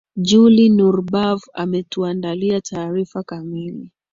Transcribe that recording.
juli nur bavu ametuandalia taarifa kamili